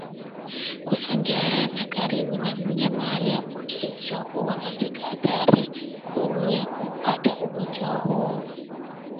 kusogeana karibu na mnyama aliyeambukizwa huwa katika hatari kuu ya kuupata ugonjwa huu